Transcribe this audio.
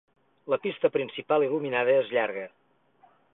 La pista principal il·luminada és llarga.